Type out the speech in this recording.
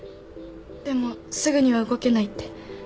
でもすぐには動けないって。